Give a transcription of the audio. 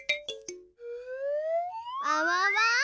あわわ！